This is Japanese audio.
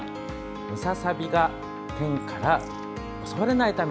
ムササビがテンから襲われないため。